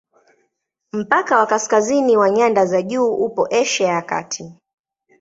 Mpaka wa kaskazini wa nyanda za juu upo Asia ya Kati.